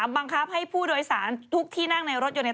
บังคับให้ผู้โดยสารทุกที่นั่งในรถยนต์เนี่ย